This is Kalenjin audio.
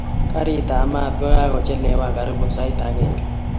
karit ab mat kakakocheleean karibu saait angengee.